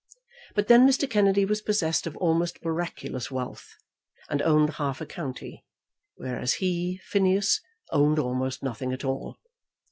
But then Mr. Kennedy was possessed of almost miraculous wealth, and owned half a county, whereas he, Phineas, owned almost nothing at all.